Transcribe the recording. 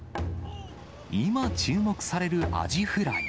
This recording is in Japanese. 今注目されるアジフライ。